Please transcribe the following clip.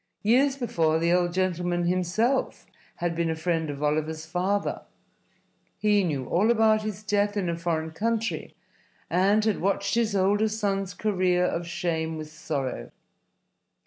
Years before the old gentleman himself had been a friend of Oliver's father. He knew all about his death in a foreign country, and had watched his older son's career of shame with sorrow.